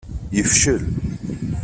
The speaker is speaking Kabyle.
Yefcel.